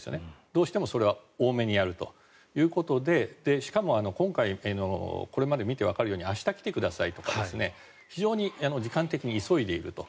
どうしてもそれは多めにやるということでしかも今回のこれまで見てわかるように明日来てくださいとか非常に時間的に急いでいると。